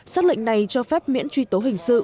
xác lệnh này cho phép miễn truy tố hình sự